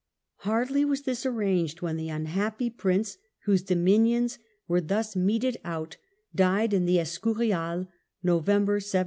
Hardly was this arranged when the unhappy prince, whose dominions were thus meted out, died in the Escu rial, November, 1700.